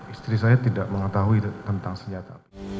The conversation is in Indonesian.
istri saya tidak mengetahui tentang senjata